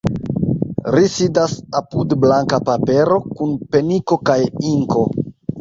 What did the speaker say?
Ri sidas apud blanka papero, kun peniko kaj inko.